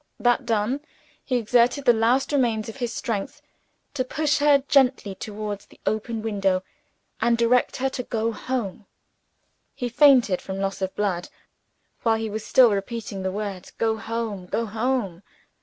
That done, he exerted his last remains of strength to push her gently towards the open window, and direct her to go home. He fainted from loss of blood, while he was still repeating the words, "Go home! go home!"